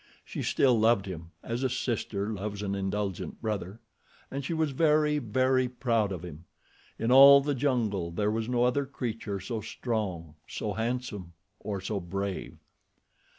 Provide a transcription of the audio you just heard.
She still loved him—as a sister loves an indulgent brother—and she was very, very proud of him. In all the jungle there was no other creature so strong, so handsome, or so brave.